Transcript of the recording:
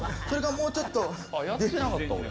それがもうちょっと。